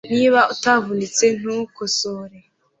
Niba itavunitse ntukosore